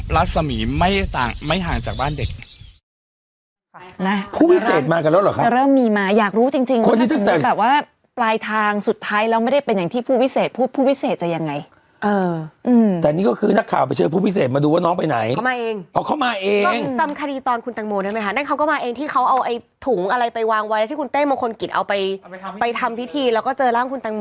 รัศมีร์ไม่ห่างจากบ้านเด็ก